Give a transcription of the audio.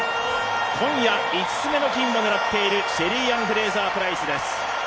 今夜５つ目の金を狙っているシェリーアン・フレイザー・プライスです。